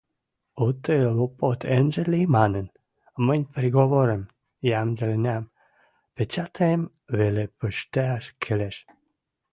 Уты лопот ӹнжӹ ли манын, мӹнь приговорым йӓмдӹленӓм, пецӓтӹм веле пиштӓш келеш.